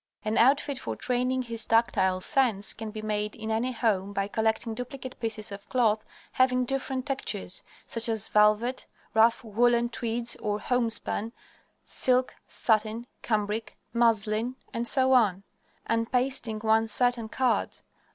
An outfit for training his tactile sense can be made in any home by collecting duplicate pieces of cloth having different textures; such as velvet, rough woolen tweeds or homespun, silk, satin, cambric, muslin, etc., and pasting one set on cards.